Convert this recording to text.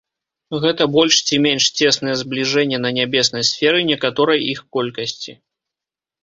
Гэта больш ці менш цеснае збліжэнне на нябеснай сферы некаторай іх колькасці.